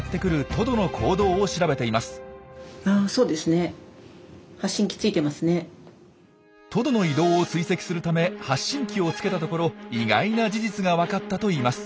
トドの移動を追跡するため発信機をつけたところ意外な事実が分かったといいます。